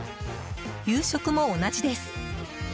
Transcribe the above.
夕食も同じです。